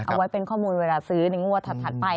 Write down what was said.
เอาไว้เป็นข้อมูลเวลาซื้อในงวดถัดไป